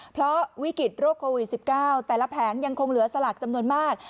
เพราะวิกฤตโรคโควิด๑๙แต่ละแผงยังคงเหลือสลากจำนวนมาก